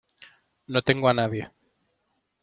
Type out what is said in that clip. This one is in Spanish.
no tengo a nadie.